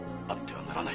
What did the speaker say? はい。